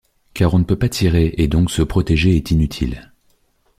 Car on ne peut pas tirer et donc se protéger est inutile.